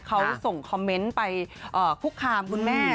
เขาส่งคอมเมนต์ไปคุกคามคุณแม่